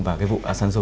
vào vụ asanzo